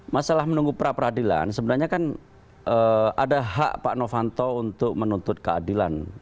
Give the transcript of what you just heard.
masalah menunggu pra peradilan sebenarnya kan ada hak pak novanto untuk menuntut keadilan